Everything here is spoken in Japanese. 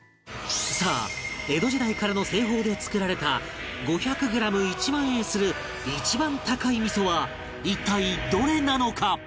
さあ江戸時代からの製法で作られた５００グラム１万円する一番高い味噌は一体どれなのか？